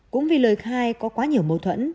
cũng vì lời khai có quá nhiều mâu thuẫn